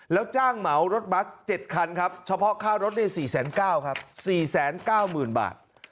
แล้วจ้างเหมารถบัส๗คันครับเฉพาะค่ารถได้๔๙๐๐ครับ๔๙๐๐๐บาท